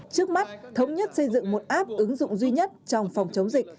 trước mắt thống nhất xây dựng một app ứng dụng duy nhất trong phòng chống dịch